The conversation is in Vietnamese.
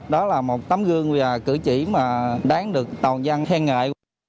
đó là một tấm gương và cử chỉ mà đáng được tàu dân khen ngại